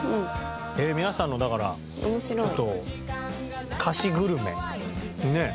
皆さんのだからちょっと歌詞グルメねえ